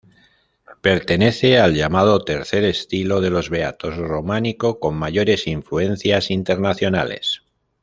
Pertenece al llamado "tercer estilo" de los Beatos, románico, con mayores influencias internacionales.